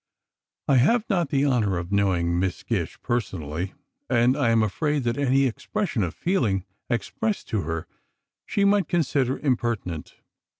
I have not the honor of knowing Miss Gish personally and I am afraid that any expression of feeling addressed to her she might consider impertinent.